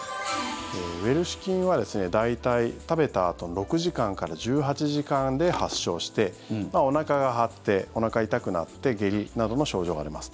ウエルシュ菌は大体、食べたあと６時間から１８時間で発症しておなかが張っておなかが痛くなって下痢などの症状が出ます。